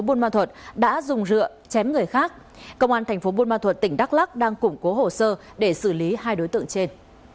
công an tp bôn mạc đã dùng rượu chém người khác công an tp bôn mạc tỉnh đắk lắc đang củng cố hồ sơ để xử lý hai đối tượng trên